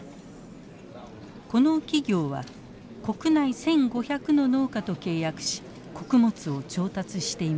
この企業は国内１，５００の農家と契約し穀物を調達しています。